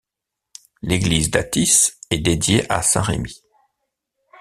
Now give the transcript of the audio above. L'église d'Athis est dédiée à saint Rémi.